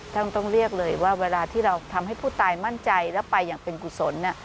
ต้องเรียกเลยว่าเวลาที่เราทำให้ผู้ตายมั่นใจแล้วไปอย่างเป็นกุศล